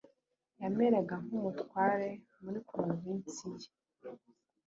yameraga nk’umutware muri provinsi ye